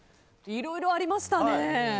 いろいろありましたね。